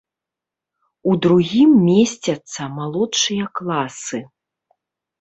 У другім месцяцца малодшыя класы.